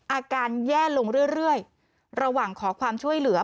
อาการแย่ลงเรื่อยระหว่างขอความช่วยเหลือ